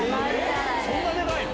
そんなデカいの？